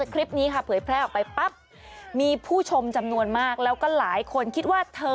เขาเริ่มบุฟเฟต์สองจะมาหรือยังเธอ